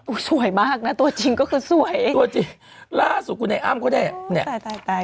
อู้สวยมากนะตัวจริงก็คือสวยตัวจริงล่าสุขุนัยอ้ำก็ได้เนี่ย